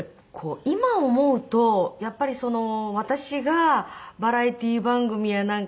今思うとやっぱり私がバラエティー番組やなんか。